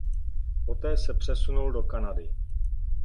Poté se přesunul do Kanady.